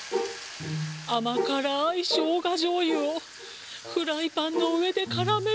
あまからいしょうがじょうゆをフライパンのうえでからめれば。